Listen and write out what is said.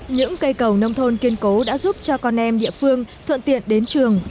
những cây cầu nông thôn kiên cố đã giúp cho con em địa phương thuận tiện đến trường